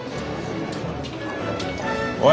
おい。